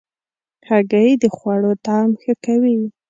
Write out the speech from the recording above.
هګۍ د خوړو طعم ښه کوي.